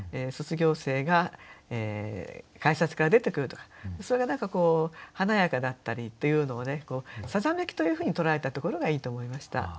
卒業生が改札から出てくるとかそれが何かこう華やかだったりっていうのを「さざめき」というふうに捉えたところがいいと思いました。